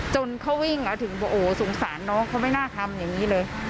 จนเขาวิ่งถึงบอกโอ้สงสารน้องเขาไม่น่าทำอย่างนี้เลย